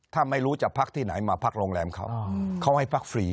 ถ้าไม่รู้จะพักที่ไหนมาพักโรงแรมเขาเขาให้พักฟรี